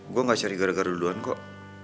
gue gak cari gara gara duluan kok